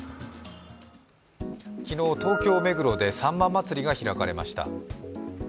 昨日、東京・目黒でさんま祭が開かれました。